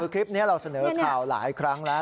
คลิปนี้เราเสนอข่าวหลายครั้งแล้ว